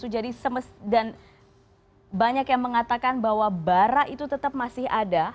jadi banyak yang mengatakan bahwa barat itu tetap masih ada